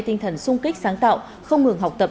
tinh thần sung kích sáng tạo không ngừng học tập